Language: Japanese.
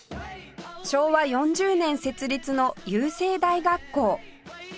昭和４０年設立の郵政大学校